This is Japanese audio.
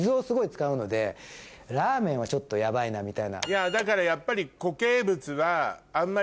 ラーメンはちょっとヤバいなみたいな。